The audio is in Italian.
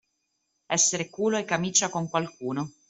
Essere culo e camicia con qualcuno.